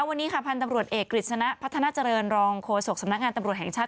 วันนี้ค่ะพันธ์ตำรวจเอกกฤษณะพัฒนาเจริญรองโฆษกสำนักงานตำรวจแห่งชาติ